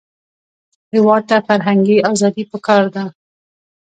هېواد ته فرهنګي ازادي پکار ده